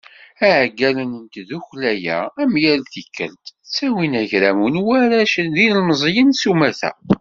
Iεeggalen n tdukkla-a, am yal tikkelt, ttawin agraw n warrac d yilemẓiyen s umata.